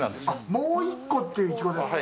「もういっこ」っていうイチゴですか。